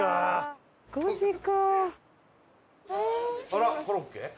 あらコロッケ？